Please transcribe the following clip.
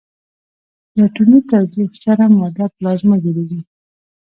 د اټومي تودوخې سره ماده پلازما جوړېږي.